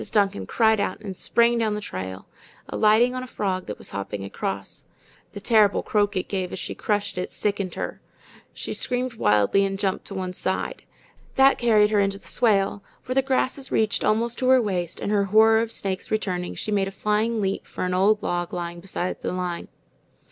Duncan cried out and sprang down the trail, alighting on a frog that was hopping across. The horrible croak it gave as she crushed it sickened her. She screamed wildly and jumped to one side. That carried her into the swale, where the grasses reached almost to her waist, and her horror of snakes returning, she made a flying leap for an old log lying beside the line.